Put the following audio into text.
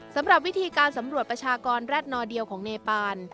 สำหรับวิธีการสำรวจประชากรแร็ดนอเดียวของเนปาน